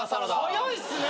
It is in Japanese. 早いっすね！